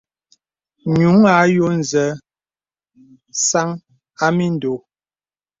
Ǹyùŋ à yɔ zə sàŋ à mìndɔ̀.